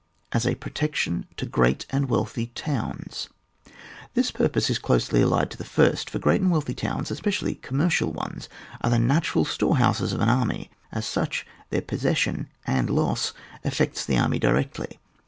As a protection to great and wealthy towns. This purpose is closely allied to the first, for great and wealdiy towns, especially commercial ones, are the natu ral storehouses of an army; as such their possession and loss affects the army directly.